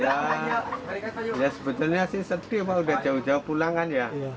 ya ya sebetulnya sih sedih pak udah jauh jauh pulang kan ya